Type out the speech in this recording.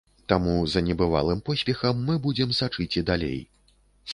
Таму за небывалым поспехам мы будзем сачыць і далей.